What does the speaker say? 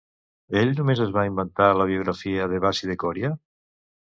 Ell només es va inventar la biografia d'Evasi de Còria?